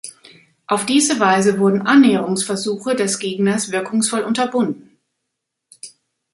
Auf diese Weise wurden Annäherungsversuche des Gegners wirkungsvoll unterbunden.